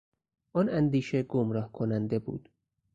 آن اندیشه گمراه کننده بود.